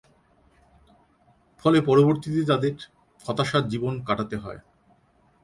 ফলে পরবর্তীতে তাদের হতাশার জীবন কাটাতে হয়।